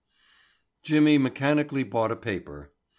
Jimmy mechanically bought a paper.